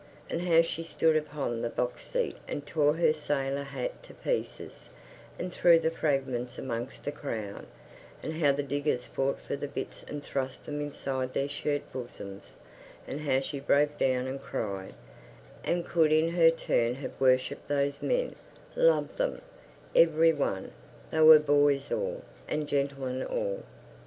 And how she stood upon the box seat and tore her sailor hat to pieces, and threw the fragments amongst the crowd; and how the diggers fought for the bits and thrust them inside their shirt bosoms; and how she broke down and cried, and could in her turn have worshipped those men loved them, every one. They were boys all, and gentlemen all.